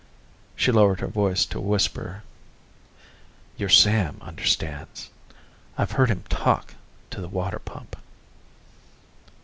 She lowered her voice to a whisper, "Your Sam understands. I've heard him talk to the water pump."